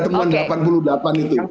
teman delapan puluh delapan itu